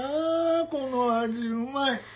この味うまい！